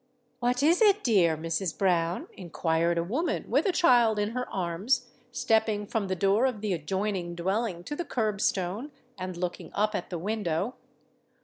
"What is it, dear Mrs. Brown?" inquired a woman, with a child in her arms, stepping from the door of the adjoining dwelling to the kerb stone, and looking up at the window.